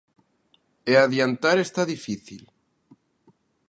E adiantar está difícil.